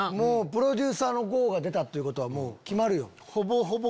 プロデューサーのゴーが出たってことはもう決まるよ。